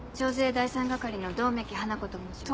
第三係の百目鬼華子と申します。